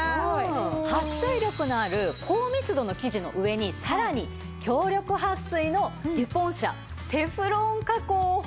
はっ水力のある高密度の生地の上にさらに強力はっ水のデュポン社テフロン加工を施しています。